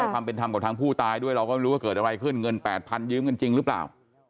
กับทั้งผู้ตายด้วยเราก็ไม่รู้ว่าเกิดอะไรขึ้นเงิน๘๐๐๐ยืมจริงหรือเปล่า